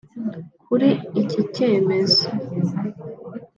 Kuri iki cyemezo